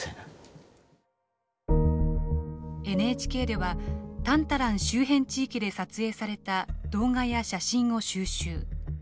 ＮＨＫではタンタラン周辺地域で撮影された動画や写真を収集。